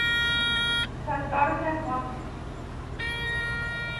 S'atorga anualment.